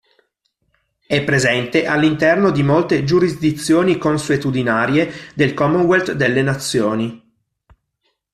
È presente all'interno di molte giurisdizioni consuetudinarie del Commonwealth delle Nazioni.